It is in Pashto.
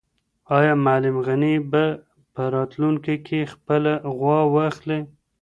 آیا معلم غني به په راتلونکي کې خپله غوا واخلي؟